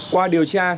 qua điều tra